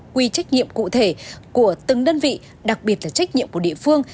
quy trách nhiệm cụ thể của từng đơn vị đặc biệt là trách nhiệm của địa phương